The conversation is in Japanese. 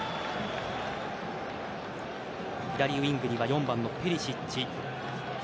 左ウィングには４番のペリシッチ。